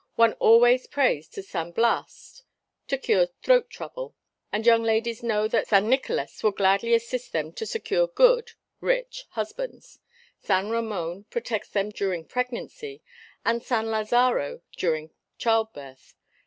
One always prays to San Blas to cure throat trouble, and young ladies know that San Nicolas with gladly assist them to secure good (rich) husbands, San Ramón protects them during pregnancy and San Lázaro during child birth.